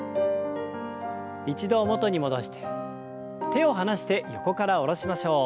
一度元に戻して手を離して横から下ろしましょう。